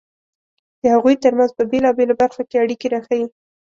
د هغوی ترمنځ په بېلابېلو برخو کې اړیکې راښيي.